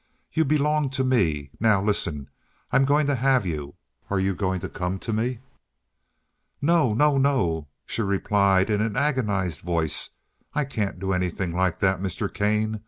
You belong to me. Now listen. I'm going to have you. Are you going to come to me?" "No, no, no!" she replied in an agonized voice, "I can't do anything like that, Mr. Kane.